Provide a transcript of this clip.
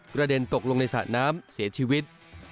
เด็นตกลงในสระน้ำเสียชีวิต